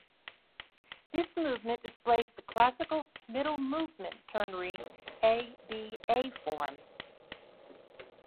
This movement displays the classical "middle movement" ternary a-b-a form.